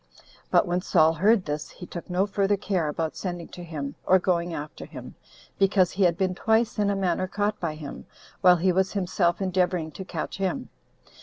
But when Saul heard this, he took no further care about sending to him, or going after him, because he had been twice, in a manner, caught by him, while he was himself endeavoring to catch him.